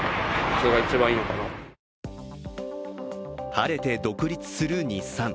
晴れて独立する日産。